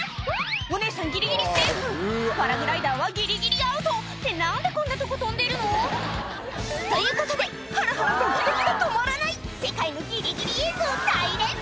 お姉さんギリギリセーフパラグライダーはギリギリアウトって何でこんなとこ飛んでるの？ということでハラハラドキドキが止まらない大連発！